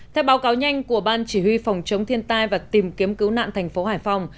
theo báo cáo nhanh của ban chỉ huy phòng chống thiên tai và tìm kiếm cứu nạn thành phố hải phòng